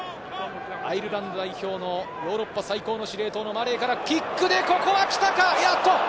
アイルランド代表のヨーロッパ最高の司令塔のマレーからキックでここは来たか？